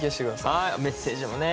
はいメッセージもね。